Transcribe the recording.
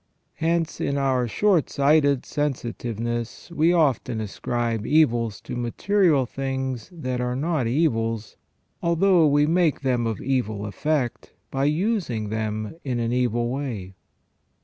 Hence in our short sighted sensitiveness we often ascribe evils to material things that are not evils, although we make them of evil effect by using them in an evil way.